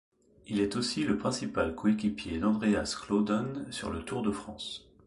Il est aussi le principal coéquipier d'Andreas Klöden sur le Tour de France.